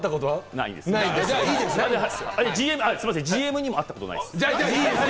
ないですよ、ＧＭにも会ったことないです。